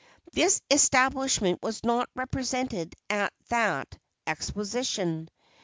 This establishment was not represented at that exposition.